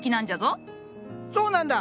そうなんだ！